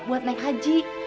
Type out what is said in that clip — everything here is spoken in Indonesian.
buat naik haji